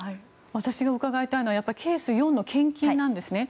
私が伺いたいのはケース４の献金なんですね。